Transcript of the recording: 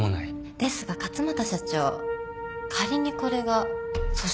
ですが勝又社長仮にこれが訴訟になった場合。